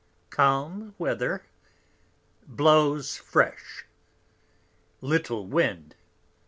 _ Calm Weather. | Blows fresh. _Little Wind.